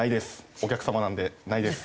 お客様なのでないです。